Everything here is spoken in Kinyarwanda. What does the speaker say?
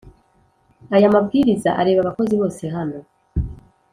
Aya mabwiriza areba abakozi bose hano